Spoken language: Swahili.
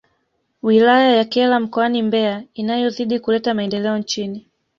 Wilaya ya Kyela mkoani Mbeya inayozidi kuleta maendeleo nchini